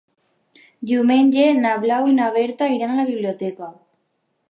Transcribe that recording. Diumenge na Blau i na Berta iran a la biblioteca.